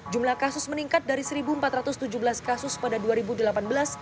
jumlah kasus meningkat dari satu empat ratus tujuh belas kasus pada dua ribu delapan belas